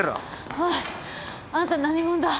おいあんた何もんだ？